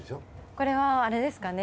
これはあれですかね